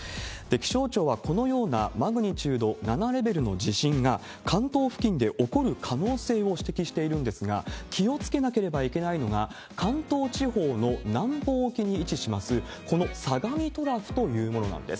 気象庁はこのようなマグニチュード７レベルの地震が関東付近で起こる可能性を指摘しているんですが、気をつけなければいけないのが、関東地方の南方沖に位置します、この相模トラフというものなんです。